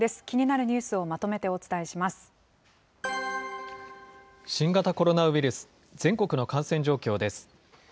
気になるニュースをまとめてお伝新型コロナウイルス、全国の感染状況です。